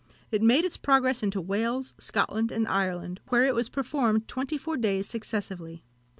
It made its progress into Wales, Scotland, and Ireland, where it was performed twenty four days successively.